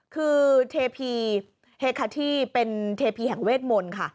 คือเทพีเฮคาที่เป็นเทพีแห่งเวทมนต์ค่ะ